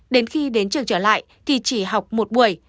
đến khi đến trường trở lại thì chỉ học một buổi